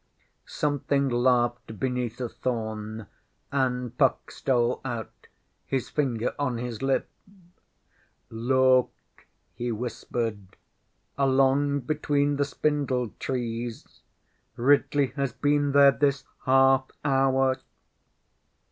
Something laughed beneath a thorn, and Puck stole out, his finger on his lip. ŌĆśLook! ŌĆÖ he whispered. ŌĆśAlong between the spindle trees. Ridley has been there this half hour.